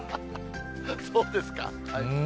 そうですか。